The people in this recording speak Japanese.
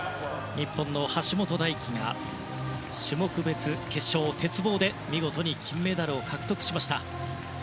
日本の橋本大輝が種目別決勝、鉄棒で見事に金メダルを獲得しました。